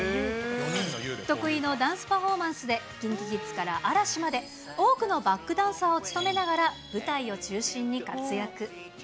得意のダンスパフォーマンスで、ＫｉｎｋｉＫｉｄｓから嵐まで、多くのバックダンサーを務めながら、舞台を中心に活躍。